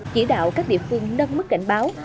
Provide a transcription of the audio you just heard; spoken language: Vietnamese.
chỉ đạo các địa phương nâng mức cảnh báo